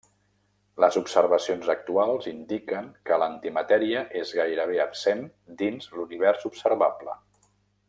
Les observacions actuals indiquen que l'antimatèria és gairebé absent dins l'univers observable.